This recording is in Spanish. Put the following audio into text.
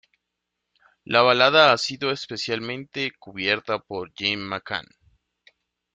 La balada ha sido especialmente cubierta por Jim McCann.